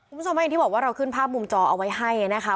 คุณผู้ชมอย่างที่บอกว่าเราขึ้นภาพมุมจอเอาไว้ให้นะคะ